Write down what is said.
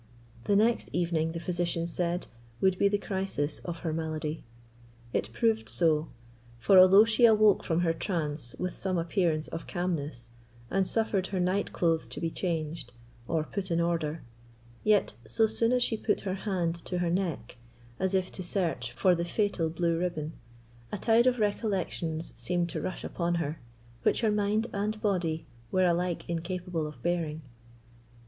The next evening, the physicians said, would be the crisis of her malady. It proved so; for although she awoke from her trance with some appearance of calmness, and suffered her night clothes to be changed, or put in order, yet so soon as she put her hand to her neck, as if to search for the for the fatal blue ribbon, a tide of recollections seemed to rush upon her, which her mind and body were alike incapable of bearing.